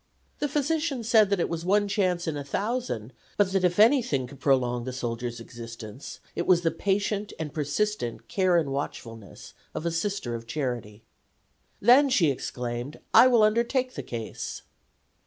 The physician said that it was one chance in a thousand, but that if anything could prolong the soldier's existence it was the patient and persistent care and watchfulness of a Sister of Charity. "Then," she exclaimed, "I will undertake the case."